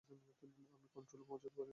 আমি কন্ট্রোলে পৌঁছুতে পারছি না।